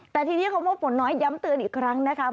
แต่ทีนี้คำว่าฝนน้อยย้ำเตือนอีกครั้งนะคะ